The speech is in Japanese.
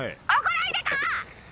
怒らいでか！